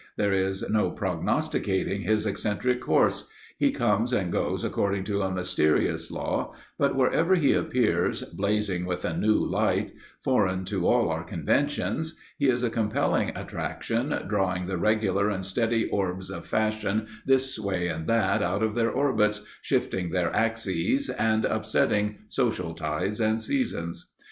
There is no prognosticating his eccentric course; he comes and goes according to a mysterious law, but wherever he appears, blazing with a new light, foreign to all our conventions, he is a compelling attraction, drawing the regular and steady orbs of fashion this way and that out of their orbits, shifting their axes, and upsetting social tides and seasons.